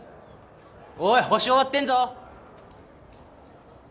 おい補習終わってんぞ！